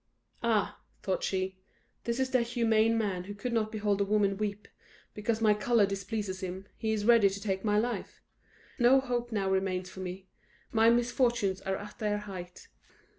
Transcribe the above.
"Ah!" thought she, "this is the humane man who could not behold a woman weep; because my colour displeases him, he is ready to take my life. No hope now remains for me my misfortunes are at their height!"